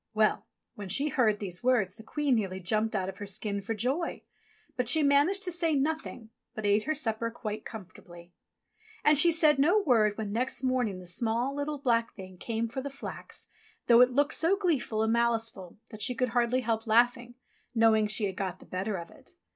'* Well, when she heard these words the Queen nearly jumped out of her skin for joy ; but she managed to say nothing, but ate her supper quite comfortably. And she said no word when next morning the small, little. 36 ENGLISH FAIRY TALES black Thing came for the flax, though it looked so gleeful and maliceful that she could hardly help laughing, knowing she had got the better of it.